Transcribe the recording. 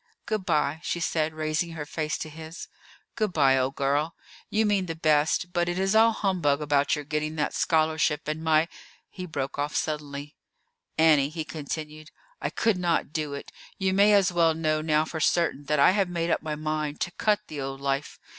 "Good by," she said, raising her face to his. "Good by, old girl. You mean the best, but it is all humbug about your getting that scholarship, and my——" He broke off suddenly. "Annie," he continued, "I could not do it; you may as well know now for certain that I have made up my mind to cut the old life.